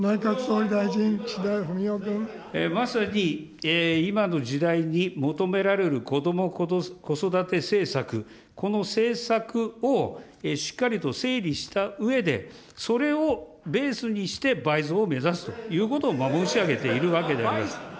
まさに、今の時代に求められるこども・子育て政策、この政策をしっかりと整理したうえで、それをベースにして倍増を目指すということを申し上げているわけであります。